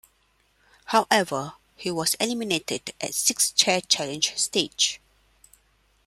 However, he was eliminated at six chair challenge stage.